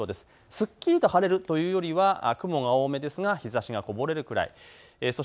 すっきり晴れるというよりは雲が多めですが日ざしがこぼれるぐらいです。